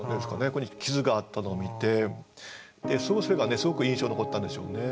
ここに痍があったのを見てそれがすごく印象に残ったんでしょうね。